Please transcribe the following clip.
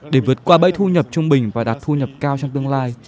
để vượt qua bẫy thu nhập trung bình và đạt thu nhập cao trong tương lai